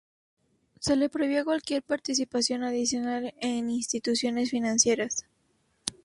Se le prohibió cualquier participación adicional en instituciones financieras.